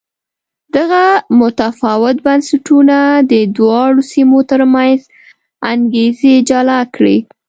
دغه متفاوت بنسټونه د دواړو سیمو ترمنځ انګېزې جلا کړې.